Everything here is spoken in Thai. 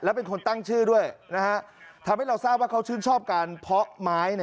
และเป็นคนตั้งชื่อด้วยนะฮะทำให้เราทราบว่าเขาชื่นชอบการเพาะไม้